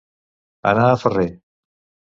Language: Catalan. Anar a ferrer.